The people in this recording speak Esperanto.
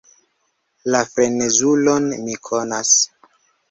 La frenezulon mi konas.